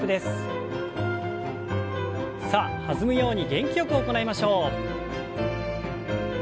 さあ弾むように元気よく行いましょう。